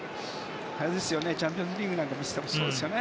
チャンピオンズリーグなんか見ててもそうですよね。